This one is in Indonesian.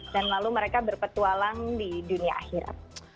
dan lalu mereka berpetualang di dunia akhirat